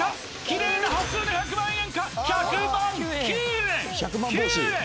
キレイな端数で１００万円か１００万９円！